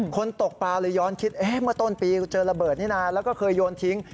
ตกปลาเลยย้อนคิดเมื่อต้นปีเจอระเบิดนี่นะแล้วก็เคยโยนทิ้ง